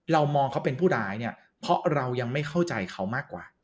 เรามองเขาเป็นผู้ร้ายเนี่ยเพราะเรายังไม่เข้าใจเขามากกว่า